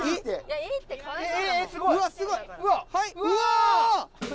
うわ！